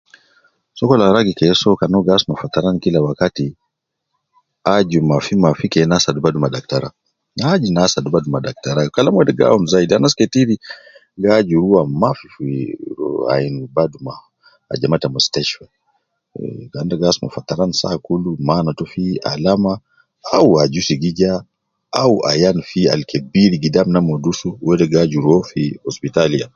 Sokol al ragi ke soo kan uwo gi asma fataran kila wakati, aju mafi mafi ke na asadu badu ma daktara, aju ne asadu badu ma daktara, kalam wede gi awun zaidi, anas ketir gi aju ruwa ma fi ainu badu ma ajama ta mustashtfa, eh kan te gi asuma fataran saa kulu mana to fi alama au ajusi gi ja au ayan fi al kebir gidam naa al me dusu, wede gi aju rua fi hospitalia.